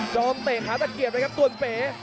ชอบเตะขาสักเกียบเลยครับตัวเป๋